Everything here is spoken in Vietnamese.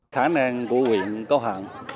khả năng của huyện